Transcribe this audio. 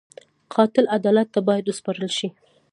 قاتل عدالت ته باید وسپارل شي